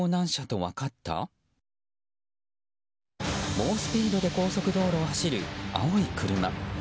猛スピードで高速道路を走る青い車。